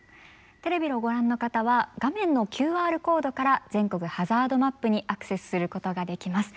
テレビをご覧の方は画面のＱＲコードから全国ハザードマップにアクセスすることができます。